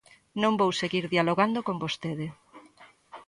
Non vou seguir dialogando con vostede.